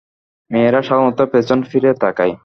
মেয়েরা সাধারণত পেছন ফিরে তাকায়।